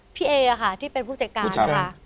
พี่เอค่ะที่เป็นผู้จัดการค่ะ